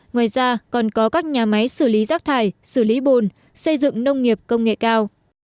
ngoài ra còn có các nhà máy xử lý rác thải xử lý bồn xây dựng nông nghiệp công nghệ cao